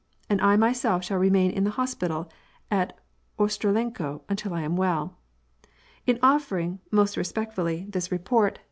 And I myself shall remain in the hospital at Ostrolenko until I am well. In offering, most respectfully, this report, 100 WAR AND PEACE.